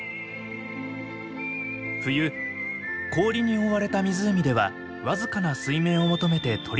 冬氷に覆われた湖では僅かな水面を求めて鳥たちが集まります。